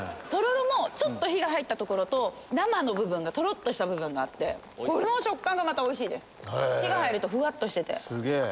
とろろもちょっと火が入ったところと生の部分がとろっとした部分があってこの食感がまたおいしいです火が入るとふわっとしてて。